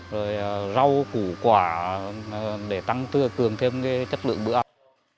rồi rau củ quả để tăng cường thêm chất lượng bữa ăn